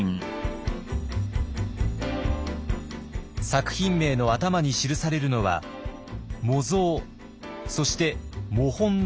作品名の頭に記されるのは「模造」そして「摸本」の文字。